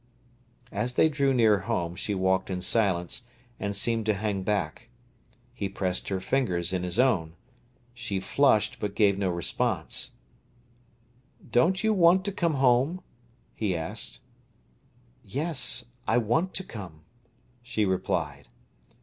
As they drew near home she walked in silence, and seemed to hang back. He pressed her fingers in his own. She flushed, but gave no response. "Don't you want to come home?" he asked. "Yes, I want to come," she replied.